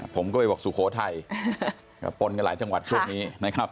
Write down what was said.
ผมก็ไปบอกสุโขทัยปนกันหลายจังหวัดช่วงนี้นะครับ